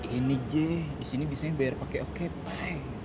ini g disini bisnisnya bayar pakai oke pak